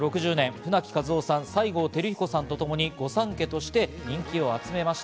舟木一夫さん、西郷輝彦さんとともに御三家として人気を集めました。